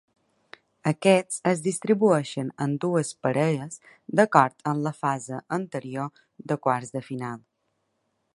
Aquests es distribueixen en dues parelles d'acord amb la fase anterior de quarts de final.